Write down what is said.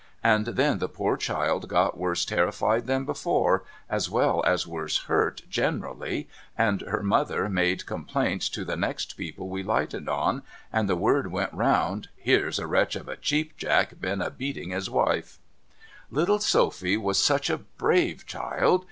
And then the poor child got worse terrified than before, as Avell as worse hurt generally, and her mother made complaints to the next people we lighted on, and the word w^ent round, ' Here's a wretch of a Cheap Jack been a beating his wife.' Little Sophy was such a brave child